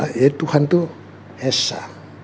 yang mendua ya tuhan itu esa